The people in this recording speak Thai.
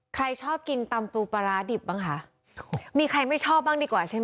ใครชอบกินตำปูปลาร้าดิบบ้างคะมีใครไม่ชอบบ้างดีกว่าใช่ไหม